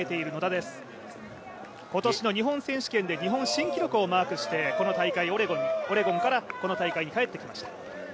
今年の日本選手権で日本新記録をマークしてこの大会オレゴンからこの大会に帰ってきました。